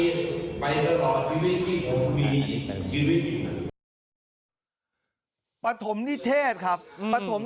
ในทางพลังประชารัฐ